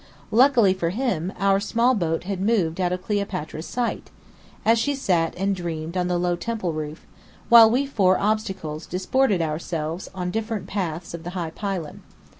Luckily for him, our small boat had moved out of Cleopatra's sight, as she sat and dreamed on the low temple roof, while we four Obstacles disported ourselves on different parts of the high pylon.